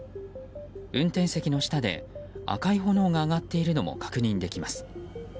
運転席の下で赤い炎が上がっているのも確認できます。